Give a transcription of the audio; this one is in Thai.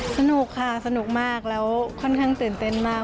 สนุกค่ะสนุกมากแล้วค่อนข้างตื่นเต้นมาก